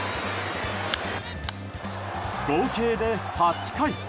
合計で８回。